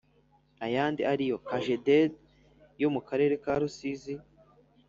Ayandi ari yo cajeded yo mu karere ka rusizi